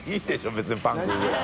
別にパン食うぐらい。